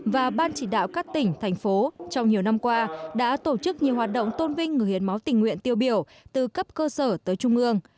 và ban chỉ đạo các tỉnh thành phố trong nhiều năm qua đã tổ chức nhiều hoạt động tôn vinh người hiến máu tình nguyện tiêu biểu từ cấp cơ sở tới trung ương